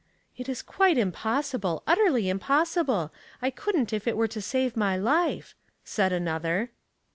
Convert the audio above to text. " It is quite impossible — utterly im possible. I couldn't if it were to save my life," said another.